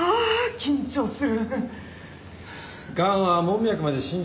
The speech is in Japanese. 緊張する。